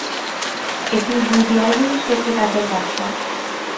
এটি দুই দেয়াল বিশিষ্ট একটি কাচের পাত্র।